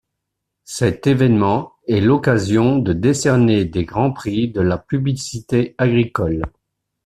Cet événement est l'occasion de décerner des Grands prix de la publicité agricole.